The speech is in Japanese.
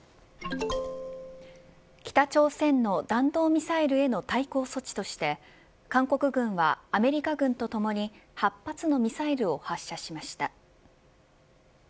北朝鮮の弾道ミサイルへの対抗措置として韓国軍はアメリカ軍とともに８発のミサイルを発射しました。